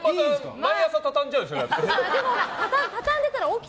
毎朝畳んじゃうでしょ、だって。